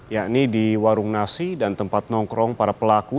yakni di warung nasi dan tempat nongkrong para pelaku